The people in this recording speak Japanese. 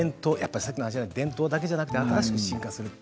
伝統だけじゃなくて新しく進化する。